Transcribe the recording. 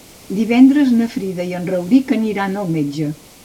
Divendres na Frida i en Rauric aniran al metge.